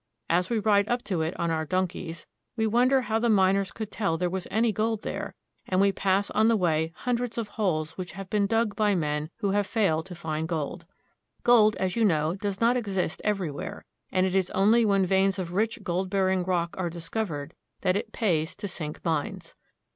As we ride up to it on our donkeys, we wonder how the miners could tell there was any gold there, and we pass on the way hundreds of holes which have been dug by men who have failed to find gold. Gold, as you know, does not exist everywhere, and it is only when veins of rich gold bearing rock are discovered that it pays to sink mines.